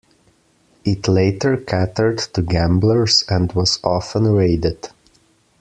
It later catered to gamblers and was often raided.